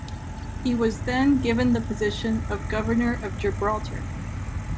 He was then given the position of Governor of Gibraltar.